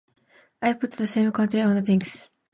I put the same construction on the thing.